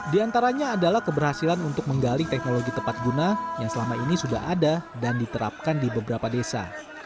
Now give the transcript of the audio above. di antaranya adalah keberhasilan untuk menggali teknologi tepat guna yang selama ini sudah ada dan diterapkan di beberapa desa